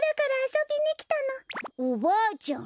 おばあちゃん。